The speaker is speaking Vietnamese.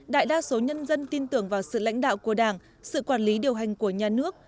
đại đa số nhân dân tin tưởng vào sự lãnh đạo của đảng sự quản lý điều hành của nhà nước